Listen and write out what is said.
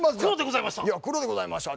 黒でございました。